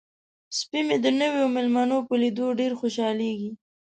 سپی مې د نویو میلمنو په لیدو ډیر خوشحالیږي.